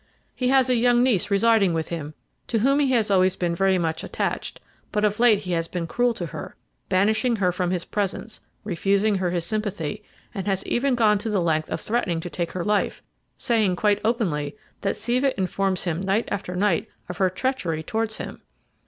He has a young niece residing with him, to whom he has always been very much attached; but of late he has been cruel to her, banishing her from his presence, refusing her his sympathy, and has even gone to the length of threatening to take her life, saying quite openly that Siva informs him night after night of her treachery towards him.